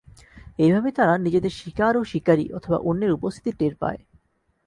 এভাবে তারা নিজেদের শিকার ও শিকারি অথবা অন্যের উপস্থিতি টের পায়।